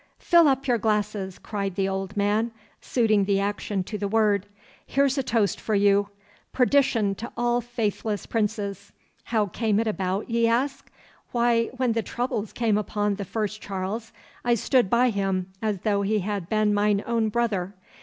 'Fill up your glasses!' cried the old man, suiting the action to the word. 'Here's a toast for you! Perdition to all faithless princes! How came it about, ye ask? Why, when the troubles came upon the first Charles, I stood by him as though he had been mine own brother.